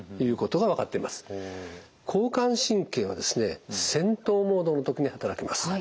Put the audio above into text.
交感神経はですね戦闘モードの時に働きます。